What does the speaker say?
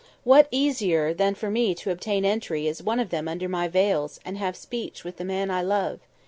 What easier than for me to obtain entry as one of them under my veils and have speech with the man I love?